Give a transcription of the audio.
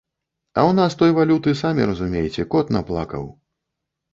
А ў нас той валюты, самі разумееце, кот наплакаў.